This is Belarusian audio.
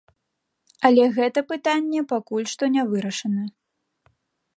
Але гэта пытанне пакуль што не вырашана.